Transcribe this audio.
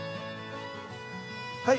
はい。